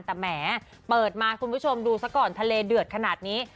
แต่แหมเปิดมาคุณผู้ชมดูซะก่อนทะเลเดือดขนาดนี้